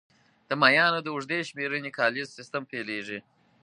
د مایانو د اوږدې شمېرنې کالیز سیستم پیلېږي